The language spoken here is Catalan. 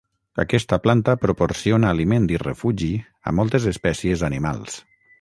Aquesta planta proporciona aliment i refugi a moltes espècies animals.